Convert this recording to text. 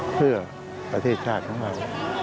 เพื่อประเทศชาติทั้งหมด